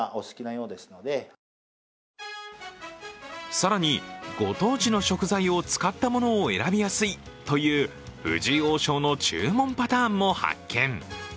更に、ご当地の食材を使ったものを選びやすいという藤井王将の注文パターンも発見。